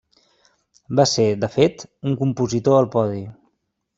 Va ser, de fet, un compositor al podi.